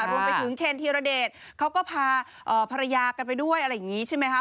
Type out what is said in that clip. รวมไปถึงเคนธีรเดชเขาก็พาภรรยากันไปด้วยอะไรอย่างนี้ใช่ไหมคะ